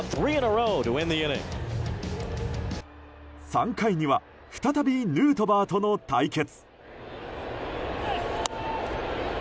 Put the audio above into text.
３回には、再びヌートバーとの対決。